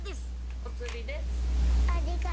お釣りです。